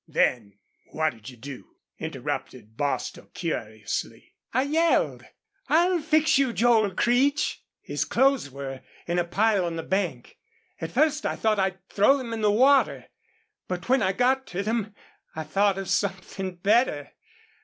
Then what 'd you do?" interrupted Bostil, curiously. "I yelled, 'I'll fix you, Joel Creech!'... His clothes were in a pile on the bank. At first I thought I'd throw them in the water, but when I got to them I thought of something better.